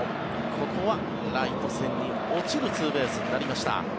ここはライト線に落ちるツーベースになりました。